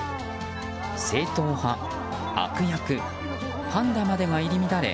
正統派、悪役パンダまでが入り乱れ